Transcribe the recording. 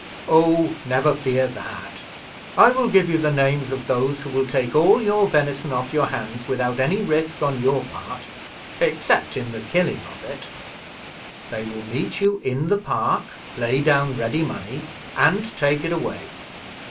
"Oh never fear that; I will give you the names of those who will take all your venison off your hands without any risk on your part, except in the killing of it. They will meet you in the park, lay down ready money, and take it away.